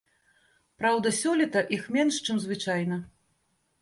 Праўда, сёлета іх менш, чым звычайна.